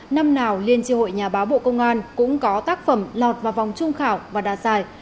năm nào liên tri hội nhà báo bộ công an cũng có tác phẩm lọt vào vòng trung khảo và đạt giải